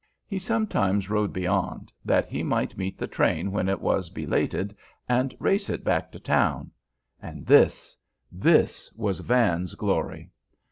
He sometimes rode beyond, that he might meet the train when it was belated and race it back to town; and this this was Van's glory.